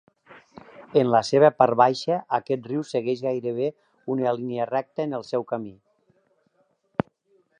En la seva part baixa, aquest riu segueix gairebé una línia recta en el seu camí.